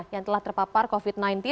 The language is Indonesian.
yang telah terpapar covid sembilan belas